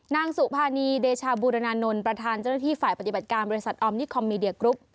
นางสุภานีเดชาบูรณานนท์ประธานเจ้าหน้าที่ฝ่ายปฏิบัติการบริษัทออมนิคอมมีเดียกรุ๊ป